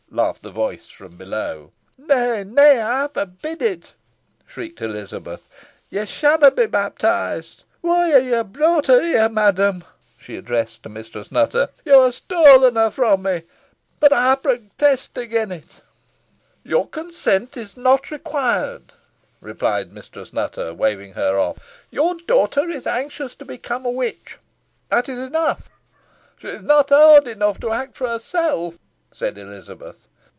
laughed the voice from below. "Nah, nah ey forbid it," shrieked Elizabeth, "ye shanna be bapteesed. Whoy ha ye brought her here, madam?" she added to Mistress Nutter. "Yo ha' stolen her fro' me. Boh ey protest agen it." "Your consent is not required," replied Mistress Nutter, waving her off. "Your daughter is anxious to become a witch. That is enough." "She is not owd enough to act for herself," said Elizabeth.